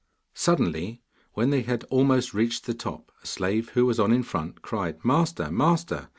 Suddenly, when they had almost reached the top, a slave who was on in front cried: 'Master! Master!